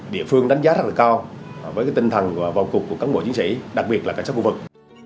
địa phương đánh giá rất là cao với tinh thần và vòng cục của các bộ chiến sĩ đặc biệt là cảnh sát khu vực